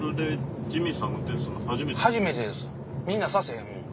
みんなさせへん。